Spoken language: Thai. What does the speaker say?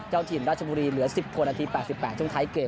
เจ้าถิ่นราชบุรีเหลือสิบคนนาทีแปดสิบแปดต้องท้ายเกม